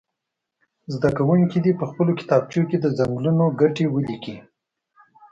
زده کوونکي دې په خپلو کتابچو کې د څنګلونو ګټې ولیکي.